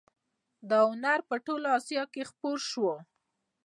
دا هنر په ټوله اسیا کې خپور شو